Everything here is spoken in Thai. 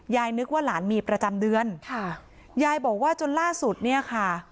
นึกว่าหลานมีประจำเดือนค่ะยายบอกว่าจนล่าสุดเนี่ยค่ะ